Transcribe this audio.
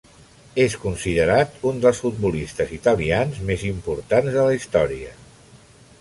És considerat un dels futbolistes italians més importants de la història.